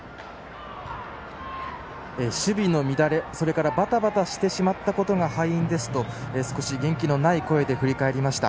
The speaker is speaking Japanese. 守備の乱れ、それからバタバタしたことが敗因ですと少し元気のない声で振り返りました。